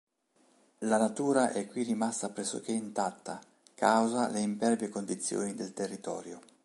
La natura è qui rimasta pressoché intatta causa le impervie condizioni del territorio.